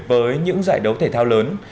với những giải đấu thể thao lớn